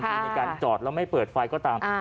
ในการจอดแล้วไม่เปิดไฟก็ตาม